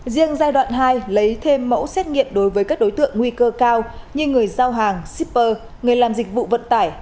riêng giai đoạn hai lấy thêm mẫu xét nghiệm đối với các đối tượng nguy cơ cao như người giao hàng shipper người làm dịch vụ vận tải